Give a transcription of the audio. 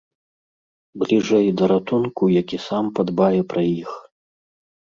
Бліжэй да ратунку, які сам падбае пра іх.